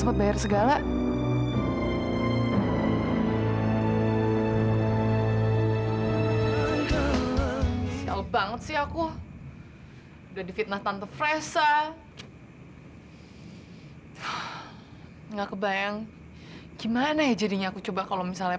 kalau dia nggak nyuruh aku malas banget